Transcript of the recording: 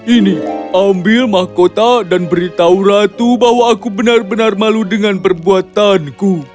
ini ambil mahkota dan beritahu ratu bahwa aku benar benar malu dengan perbuatanku